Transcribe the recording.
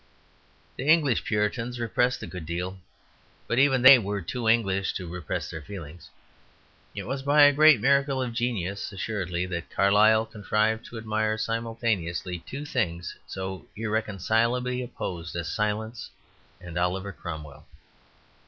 The English Puritans repressed a good deal, but even they were too English to repress their feelings. It was by a great miracle of genius assuredly that Carlyle contrived to admire simultaneously two things so irreconcilably opposed as silence and Oliver Cromwell.